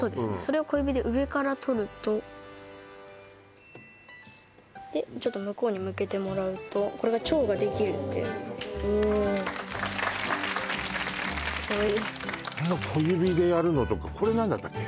それを小指で上から取るとでちょっと向こうに向けてもらうとこれが蝶ができるっていうおおこんな小指でやるのとかこれ何だったっけ？